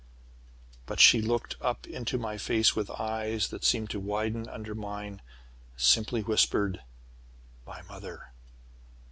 "But she looked up into my face with eyes that seemed to widen under mine, and simply whispered, 'My mother.'